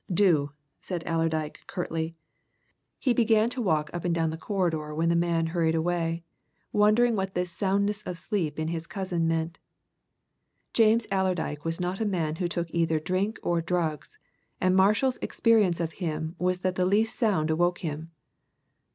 "Do!" said Allerdyke, curtly. He began to walk up and down the corridor when the man had hurried away, wondering what this soundness of sleep in his cousin meant. James Allerdyke was not a man who took either drink or drugs, and Marshall's experience of him was that the least sound awoke him.